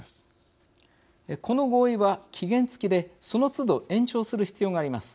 この合意は期限つきでそのつど延長する必要があります。